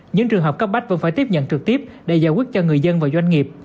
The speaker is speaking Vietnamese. những trường hợp cấp bách vẫn phải tiếp nhận trực tiếp để giải quyết cho người dân và doanh nghiệp